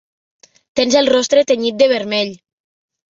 Tens el rostre tenyit de vermell.